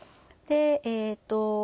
でえっと